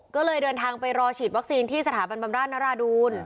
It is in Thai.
ก็เลยเดินทางไปรอฉีดวัคซีนที่สถาบันบำราชนราดูล